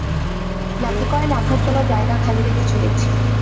Lucky coin রাখার জন্য জায়গা খালি রেখেছ দেখছি।